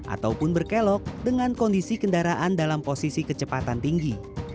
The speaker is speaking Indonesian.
ataupun berkelok dengan kondisi kendaraan dalam posisi kecepatan tinggi